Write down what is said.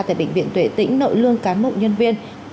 tại bệnh viện tuệ tĩnh nội lương cán bộ nhân viên